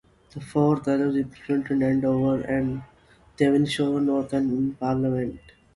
The fourth Earl represented Andover and Devonshire North in Parliament.